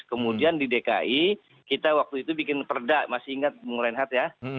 kemudian di dki kita waktu itu bikin perda masih ingat bung renhat ya